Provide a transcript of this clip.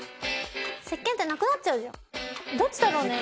石けんってなくなっちゃうじゃんどっちだろうね。